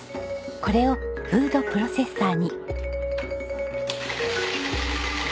これをフードプロセッサーに。